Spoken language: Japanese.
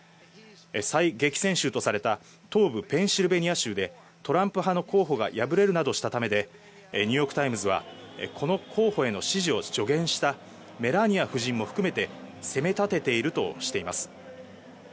最激戦州とされた、東部ペンシルベニア州でトランプ派の候補が敗れるなどしたためで、ニューヨーク・タイムズは、この候補への支持を助言した、メラニア夫人も含めて、責め立てているとしています。